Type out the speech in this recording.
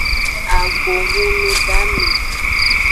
Ago hunudame.